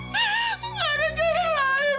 gak ada cara lain mas